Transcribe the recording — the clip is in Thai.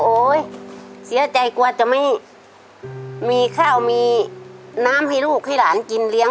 โอ๊ยเสียใจกว่าจะไม่มีข้าวมีน้ำให้ลูกให้หลานกิน